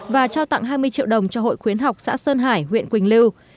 và trao tặng hai mươi triệu đồng cho hội khuyến học xã sơn hải huyện quỳnh lưu